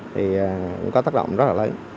thì có tác động rất là lớn